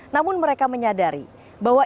namun mereka menyadari bahwa